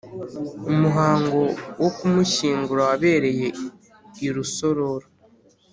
Umuhango wo kumushyingura wabereye I rusororo